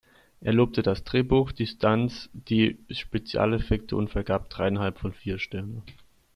Er lobte das Drehbuch, die Stunts, die Spezialeffekte und vergab dreieinhalb von vier Sternen.